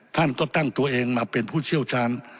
ท่านก็ตั้งตัวเองมาเป็นผู้เชี่ยวชาญ